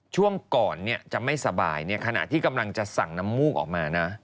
ช่วงก่อนจะไม่สบายขณะที่กำลังจะสั่งน้ำมูกออกมานะ